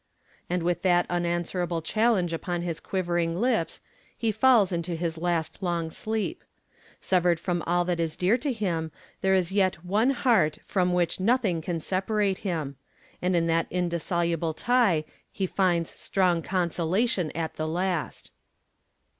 _' And, with that unanswerable challenge upon his quivering lips, he falls into his last long sleep. Severed from all that is dear to him, there is yet One heart from which nothing can separate him. And in that indissoluble tie he finds strong consolation at the last.